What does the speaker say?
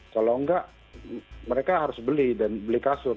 kalau enggak mereka harus beli dan beli kasur